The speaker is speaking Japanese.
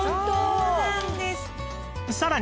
そうなんです。